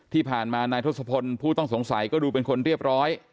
ที่ผ่านมานายทศพลผู้ต้องสงสัยก็ดูเป็นคนเรียบร้อย